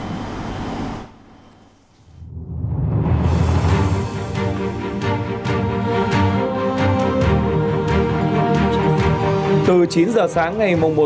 từ chín h sáng ngày một tháng sáu tuyến cao tốc hà nội hải phòng sẽ chính thức thí điểm chỉ thu phí không dừng etc